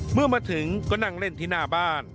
เมื่อมาถึงก็นั่งเล่นที่หน้าบ้าน